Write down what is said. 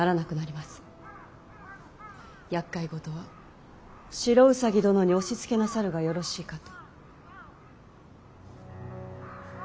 やっかいごとは白兎殿に押しつけなさるがよろしいかと。